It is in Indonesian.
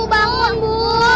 bu bangun bu